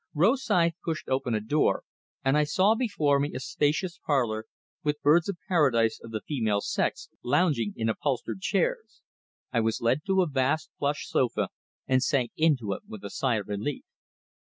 Rosythe pushed open a door, and I saw before me a spacious parlor, with birds of paradise of the female sex lounging in upholstered chairs. I was led to a vast plush sofa, and sank into it with a sigh of relief.